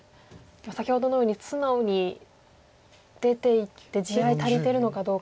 先ほどのように素直に出ていって地合い足りてるのかどうか。